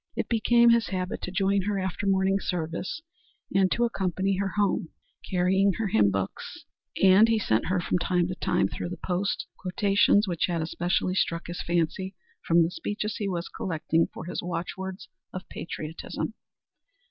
It became his habit to join her after morning service and to accompany her home, carrying her hymn books, and he sent her from time to time, through the post, quotations which had especially struck his fancy from the speeches he was collecting for his "Watchwords of Patriotism."